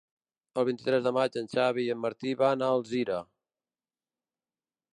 El vint-i-tres de maig en Xavi i en Martí van a Alzira.